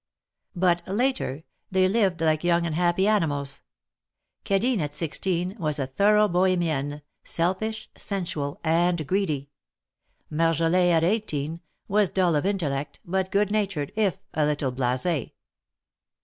But later, they lived like young and happy animals. Cadine, at sixteen, was a thorough Boh^mienne, selfish, sensual and greedy. Marjolin, at eighteen, was dull of intellect, but good natured, if a little blas6.